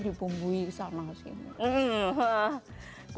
dibumbui sama sih